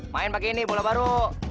main pakai ini bola baru